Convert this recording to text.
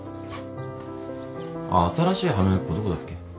あっ新しい歯磨き粉どこだっけ？